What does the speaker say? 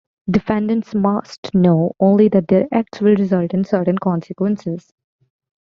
Defendants must know only that their acts will result in certain consequences.